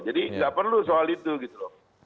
jadi nggak perlu soal itu gitu loh